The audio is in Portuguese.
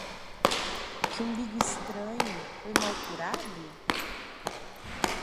Que umbigo estranho, foi mal curado?